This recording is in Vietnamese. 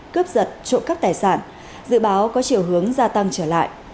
cướp giật trộm cắp tài sản dự báo có chiều hướng gia tăng trở lại